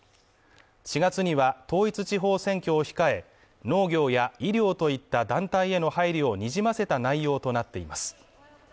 ４月には統一地方選挙を控え、農業や医療といった団体への配慮をにじませた内容となっています。